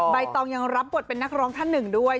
ใบตองยังรับบทเป็นนักร้องท่านหนึ่งด้วย